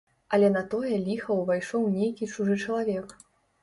Але на тое ліха ўвайшоў нейкі чужы чалавек.